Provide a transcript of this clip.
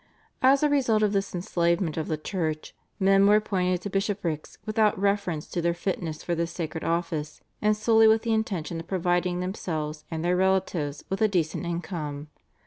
As a result of this enslavement of the Church, men were appointed to bishoprics without reference to their fitness for this sacred office, and solely with the intention of providing themselves and their relatives with a decent income.